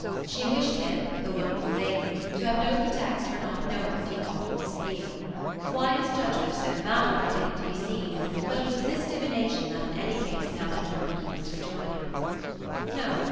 She wished him, the wonderful lady, to have no pretext for not knowing what he thought of Miss Theale. Why his judgement so mattered remained to be seen; but it was this divination that in any case now determined Milly's rejoinder. "No.